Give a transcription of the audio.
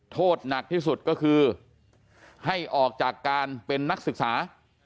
โทษหนักที่สุดก็คือให้ออกจากการเป็นนักศึกษา